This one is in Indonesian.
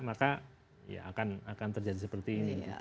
maka ya akan terjadi seperti ini